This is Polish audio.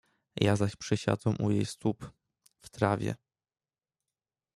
"Ja zaś przysiadłem u jej stóp, w trawie."